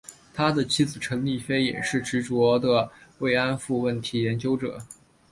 他的妻子陈丽菲也是执着的慰安妇问题研究者。